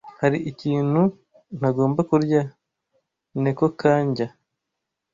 Hari ikintu ntagomba kurya? (NekoKanjya)